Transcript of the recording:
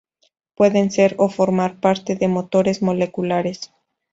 Pueden ser, o formar parte de, motores moleculares.